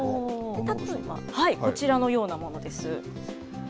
例えばこちらのようなものです。